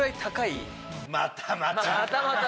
またまた。